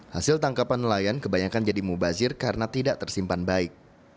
hasil tangkapan nelayan kebanyakan jadi mubazir karena tidak tersimpan baik